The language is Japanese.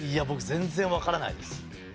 僕全然わからないです。